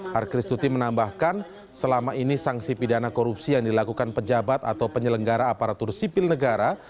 harkristuti menambahkan selama ini sanksi pidana korupsi yang dilakukan pejabat atau penyelenggara aparatur sipil negara